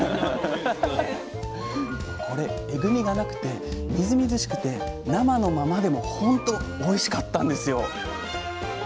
これエグミがなくてみずみずしくて生のままでもほんとおいしかったんですよ！